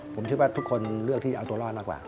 ผมคิดว่าทุกคนเลือกที่เอาตัวรอดมากกว่า